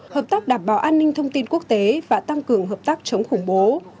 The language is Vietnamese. hợp tác đảm bảo an ninh thông tin quốc tế và tăng cường hợp tác chống khủng bố